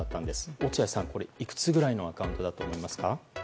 落合さん、これいくつぐらいのアカウントだと思いますか？